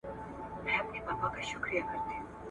له لاسه ورکړي ځای